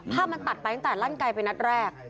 ภาพมันตัดไปตั้งแต่ลั่นไกลไปนัดแรก